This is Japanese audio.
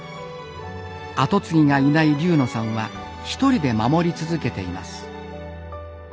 後継ぎがいない龍野さんはひとりで守り続けています。